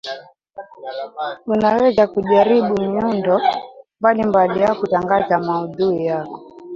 unaweza kujaribu miundo mbalimbali ya kutangaza maudhui yako